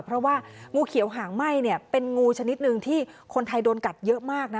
เพราะว่างูเขียวหางไหม้เนี่ยเป็นงูชนิดหนึ่งที่คนไทยโดนกัดเยอะมากนะ